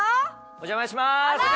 お邪魔します。